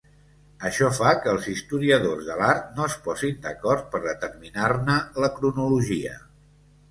Això fa que els historiadors de l'art no es posin d'acord per determinar-ne la cronologia.